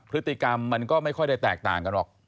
พฤติกรรมมันก็ไม่ค่อยได้แตกต่างกันหรอก